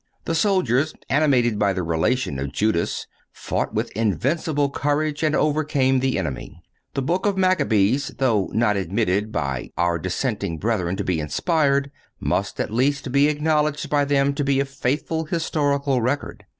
The soldiers, animated by the relation of Judas, fought with invincible courage and overcame the enemy. The Book of Maccabees, though not admitted by our dissenting brethren to be inspired, must, at least, be acknowledged by them to be a faithful historical record.